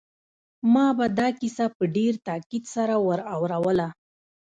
ما به دا کیسه په ډېر تاکید سره ور اوروله